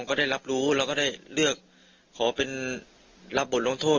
ก็ได้รับรู้แล้วก็ได้เลือกขอเป็นรับบทลงโทษ